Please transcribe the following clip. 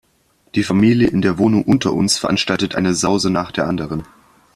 Die Familie in der Wohnung unter uns veranstaltet eine Sause nach der anderen.